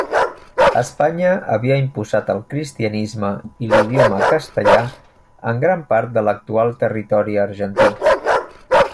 Espanya havia imposat el cristianisme i l'idioma castellà en gran part de l'actual territori argentí.